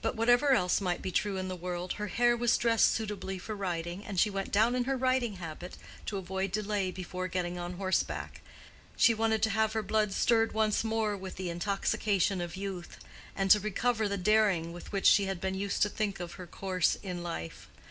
But whatever else might be true in the world, her hair was dressed suitably for riding, and she went down in her riding habit, to avoid delay before getting on horseback. She wanted to have her blood stirred once more with the intoxication of youth, and to recover the daring with which she had been used to think of her course in life.